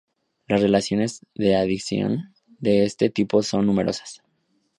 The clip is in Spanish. Las reacciones de adición de este tipo son numerosas.